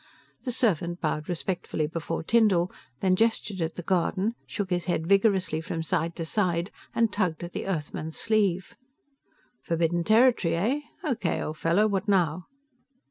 The servant bowed respectfully before Tyndall, then gestured at the garden, shook his head vigorously from side to side and tugged at the Earthman's sleeve. "Forbidden territory, eh? Okay, old fellow, what now?"